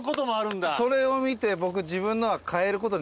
それを見て僕。